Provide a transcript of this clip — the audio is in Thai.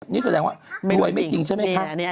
นี่แสดงว่ารวยไม่จริงใช่ไหมคะ